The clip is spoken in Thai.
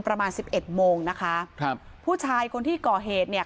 ประมาณ๑๑โมงนะคะผู้ชายคนที่ก่อเหตุเนี่ย